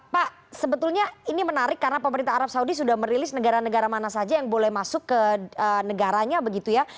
pak sebetulnya ini menarik karena pemerintah arab saudi sudah merilis negara negara mana saja yang boleh masuk ke negaranya begitu ya